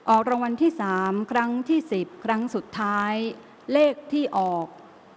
รางวัลที่๓ครั้งที่๑๐ครั้งสุดท้ายเลขที่ออก